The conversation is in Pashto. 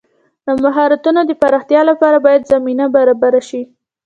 د مهارتونو د پراختیا لپاره باید زمینه برابره شي.